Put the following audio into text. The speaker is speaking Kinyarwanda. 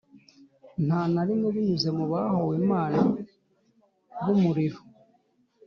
nta na rimwe binyuze mu bahowe imana b'umuriro